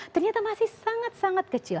ternyata masih sangat sangat kecil